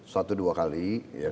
satu dua kali